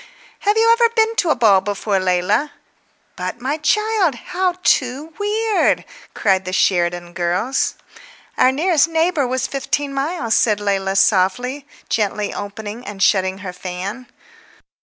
"Have you really never been to a ball before, Leila? But, my child, how too weird—" cried the Sheridan girls. "Our nearest neighbour was fifteen miles," said Leila softly, gently opening and shutting her fan.